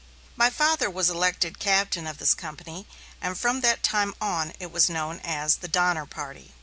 My father was elected captain of this company, and from that time on it was known as the "Donner Party."